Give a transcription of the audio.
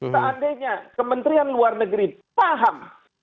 seandainya kementerian luar negeri paham